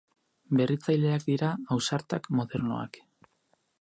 Berritzaileak dira, ausartak, modernoak.